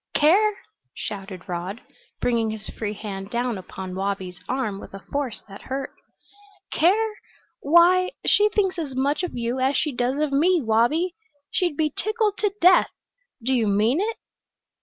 "Care!" shouted Rod, bringing his free hand down upon Wabi's arm with a force that hurt. "Care! Why, she thinks as much of you as she does of me, Wabi! She'd be tickled to death! Do you mean it?"